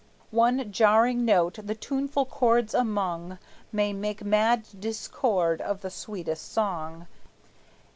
One jarring note, the tuneful chords among, May make mad discord of the sweetest song.